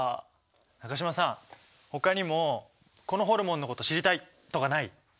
中島さんほかにも「このホルモンのこと知りたい」とかない？